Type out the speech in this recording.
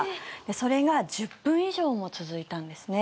それが１０分以上も続いたんですね。